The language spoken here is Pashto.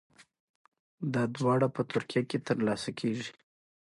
دا دواړه په ترکیه کې ترلاسه کیږي.